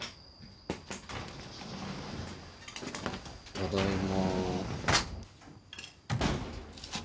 ただいま。